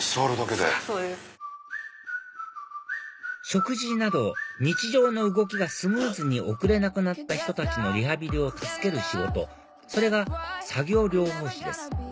食事など日常の動きがスムーズに送れなくなった人たちのリハビリを助ける仕事それが作業療法士です